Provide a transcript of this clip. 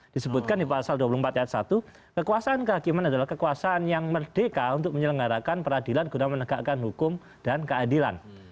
disebutkan di pasal dua puluh empat ayat satu kekuasaan kehakiman adalah kekuasaan yang merdeka untuk menyelenggarakan peradilan guna menegakkan hukum dan keadilan